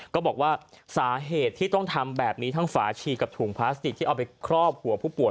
ก็บอกว่าสาเหตุที่ต้องทำแบบนี้ทั้งฝาชีกับถุงพลาสติกที่เอาไปครอบหัวผู้ป่ว